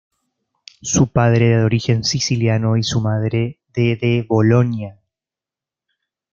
Su padre era de origen siciliano y su madre de de Bolonia.